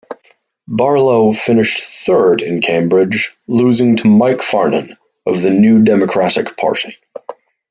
Barlow finished third in Cambridge, losing to Mike Farnan of the New Democratic Party.